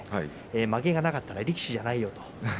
まげがなかったら力士じゃないよと。